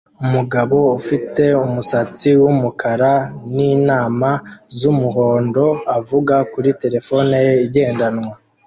Umugabo ufite umusatsi wumukara ninama zumuhondo avuga kuri terefone ye igendanwa